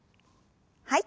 はい。